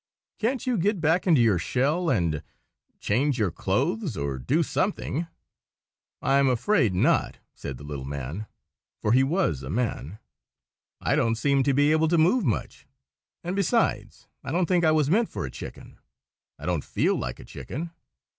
Can't you get back into your shell, and—a—change your clothes, or do something?" "I'm afraid not," said the little man (for he was a man). "I don't seem to be able to move much; and besides, I don't think I was meant for a chicken. I don't feel like a chicken."